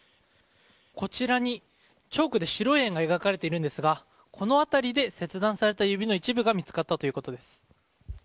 こちらにチョークで白い円が描かれているんですがこの辺りで切断された指の一部が見つかったということです。